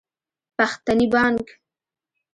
پښتني بانګ